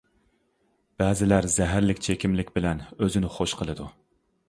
بەزىلەر زەھەرلىك چېكىملىك بىلەن ئۆزىنى خوش قىلىدۇ.